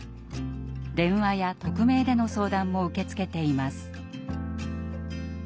電話や匿名での相談も受け付けています。